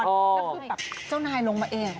แล้วคือแบบเจ้านายลงมาเอง